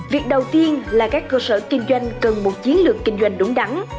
việc đầu tiên là các cơ sở kinh doanh cần một chiến lược kinh doanh đúng đắn